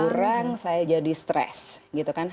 kurang saya jadi stres gitu kan